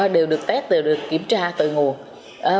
đều được test đều được kiểm tra từ nguồn